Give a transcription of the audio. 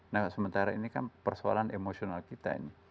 nah sementara ini kan persoalan emosional kita ini